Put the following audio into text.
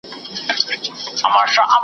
پکښي بند سول د مرغانو وزرونه .